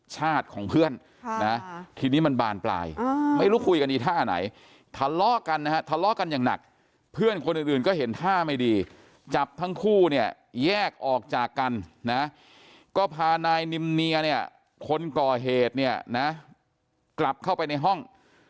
ของเพื่อนนะทีนี้มันบานปลายไม่รู้คุยกันอีกท่าไหนทะเลาะกันนะฮะทะเลาะกันอย่างหนักเพื่อนคนอื่นก็เห็นท่าไม่ดีจับทั้งคู่เนี่ยแยกออกจากกันนะก็พานายนิมเนียเนี่ยคนก่อเหตุเนี่ยนะกลับเข้าไปในห้อง